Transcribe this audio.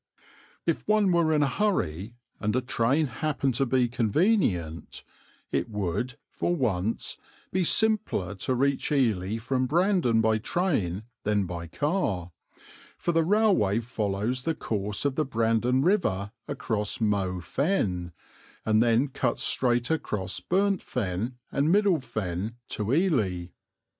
If one were in a hurry, and a train happened to be convenient, it would, for once, be simpler to reach Ely from Brandon by train than by car: for the railway follows the course of the Brandon River across Mow Fen and then cuts straight across Burnt Fen and Middle Fen to Ely.